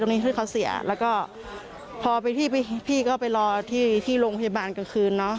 ค่ะที่ตรงนี้เขาเสียแล้วก็พอพี่ก็ไปรอที่โรงพยาบาลกลางคืนเนอะ